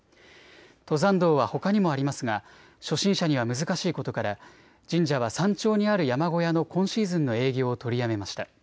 登山道はほかにもありますが初心者には難しいことから神社は山頂にある山小屋の今シーズンの営業を取りやめました。